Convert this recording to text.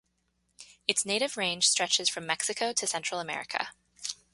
Its native range stretches from Mexico to Central America.